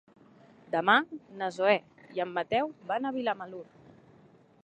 Demà na Zoè i en Mateu van a Vilamalur.